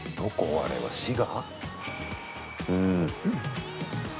あれは滋賀？